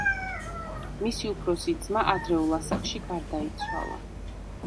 მისი უფროსი ძმა ადრეულ ასაკში გარდაიცვალა.